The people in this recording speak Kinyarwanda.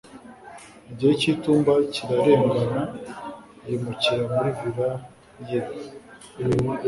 Igihe cy'itumba kirarengana yimukira muri villa ye